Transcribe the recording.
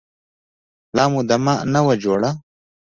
لا مو دمه نه وه جوړه.